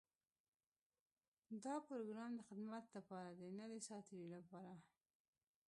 دا پروګرام د خدمت لپاره دی، نۀ د ساعتېري لپاره.